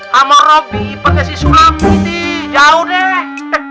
sama robby pakai siswa mu nih jauh deh